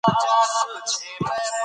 ښکلا وستایئ.